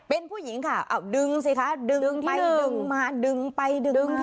เป็นผู้หญิงค่ะเอาดึงสิคะดึงไปดึงมาดึงไปดึง